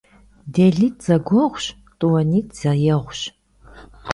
ДелитӀ зэгуэгъущ, тӀуанитӀ зэегъущ.